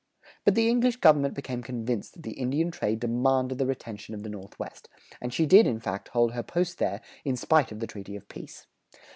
But the English government became convinced that the Indian trade demanded the retention of the Northwest, and she did in fact hold her posts there in spite of the treaty of peace.